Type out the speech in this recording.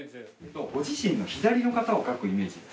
ご自身の左の方を描くイメージで。